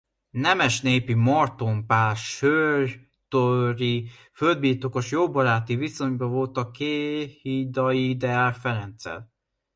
Nemesnépi Marton Pál söjtöri földbirtokos jó baráti viszonyban volt kehidai Deák Ferenccel.